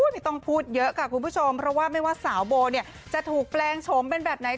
ไม่ต้องพูดเยอะค่ะคุณผู้ชมเพราะว่าไม่ว่าสาวโบเนี่ยจะถูกแปลงโฉมเป็นแบบไหน